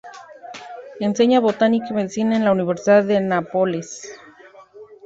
Enseña Botánica y Medicina en la Universidad de Nápoles.